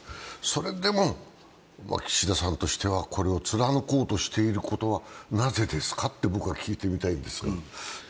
それでも岸田さんとしては、これを貫こうとしていることはなぜですかって、僕は聞いてみたいんですが。